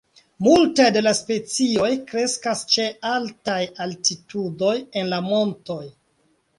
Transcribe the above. Multaj de la specioj kreskas ĉe altaj altitudoj en la montoj.